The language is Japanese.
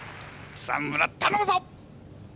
草村頼むぞっ！